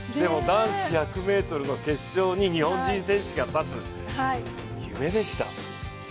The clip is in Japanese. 男子１００ｍの決勝に日本人選手が立つ、夢でした。